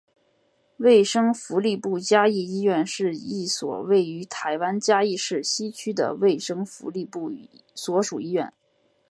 卫生福利部嘉义医院是一所位于台湾嘉义市西区的卫生福利部所属医院。